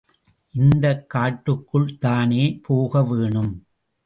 இந்தக் காட்டுக்குள்ளேதானே போக வேணும்?